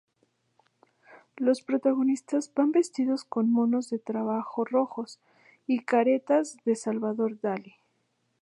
Los protagonistas van vestidos con monos de trabajo rojos y caretas de Salvador Dalí.